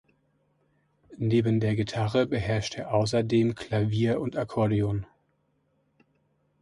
Neben der Gitarre beherrscht er außerdem Klavier und Akkordeon.